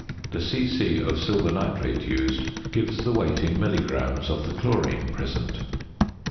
The c.c. of silver nitrate used gives the weight in milligrams of the chlorine present.